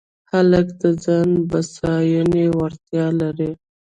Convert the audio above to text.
هلک د ځان بساینې وړتیا لري.